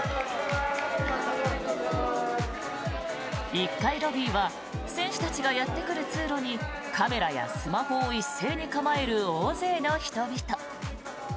１階ロビーは選手たちがやってくる通路にカメラやスマホを一斉に構える大勢の人々。